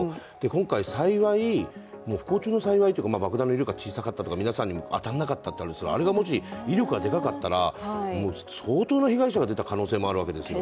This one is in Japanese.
今回、幸い、不幸中の幸いというか爆弾の威力が低かったとか皆さんに当たらなかったんですが、あれがもし威力がでかかったらもう相当な被害者が出た可能性もあるわけですよね。